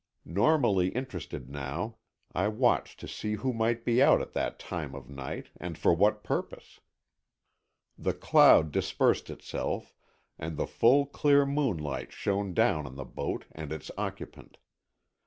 Normally interested now, I watched to see who might be out at that time of night, and for what purpose. The cloud dispersed itself, and the full clear moonlight shone down on the boat and its occupant.